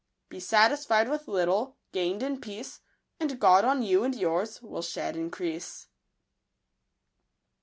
Be satisfied with little, gain'd in peace, And God on yon and yours will shed increase.